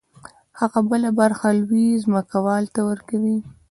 هغه بله برخه لوی ځمکوال ته ورکوي